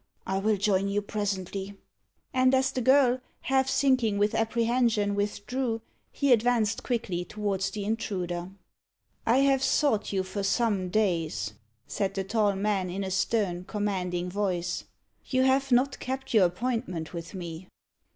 I will join you presently." And as the girl, half sinking with apprehension, withdrew, he advanced quickly towards the intruder. "I have sought you for some days," said the tall man, in a stern, commanding voice. "You have not kept your appointment with me."